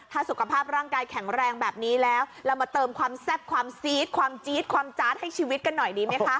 ถ้าสุขภาพร่างกายแข็งแรงแบบนี้แล้วเรามาเติมความแซ่บความซีดความจี๊ดความจาดให้ชีวิตกันหน่อยดีไหมคะ